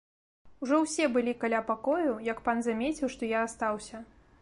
Ужо ўсе былі каля пакояў, як пан замеціў, што я астаўся.